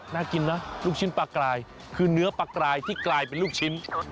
น่ากินนะลูกชิ้นปลากรายคือเนื้อปลากรายที่กลายเป็นลูกชิ้น